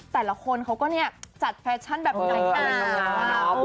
แต่ละคนเขาก็เนี่ยจัดแฟชั่นแบบไหนอ้าว